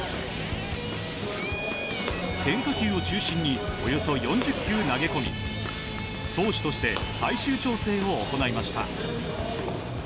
変化球を中心におよそ４０球投げこみ投手として最終調整を行いました。